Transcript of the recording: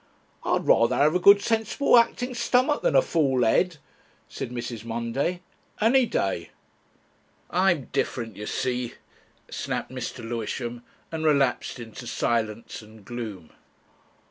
"I'd rather have a good sensible actin' stummik than a full head," said Mrs. Monday, "any day." "I'm different, you see," snapped Mr. Lewisham, and relapsed into silence and gloom.